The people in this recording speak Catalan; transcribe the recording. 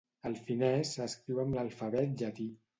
El finès s'escriu amb l'alfabet llatí.